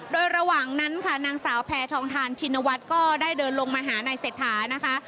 โดยระหว่างนั้นค่ะนางสาวแพทองทานชินวัฒน์ก็ได้เดินลงมาหานายเศรษฐานะคะ